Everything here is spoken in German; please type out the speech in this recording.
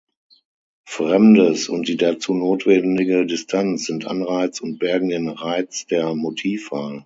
Fremdes und die dazu notwendige Distanz sind Anreiz und bergen den Reiz der Motivwahl.